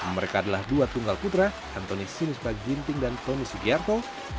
mereka adalah dua tunggal putra antoni sinispa ginting dan tony sugiarto